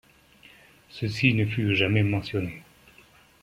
Ceci ne fut jamais mentionné.